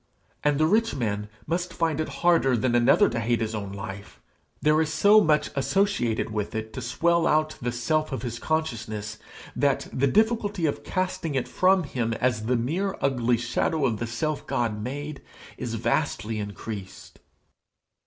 And the rich man must find it harder than another to hate his own life. There is so much associated with it to swell out the self of his consciousness, that the difficulty of casting it from him as the mere ugly shadow of the self God made, is vastly increased.